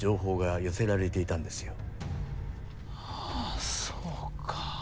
ああそうか。